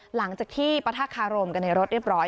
หลังจากที่ปะทะคารมกันในรถเรียบร้อย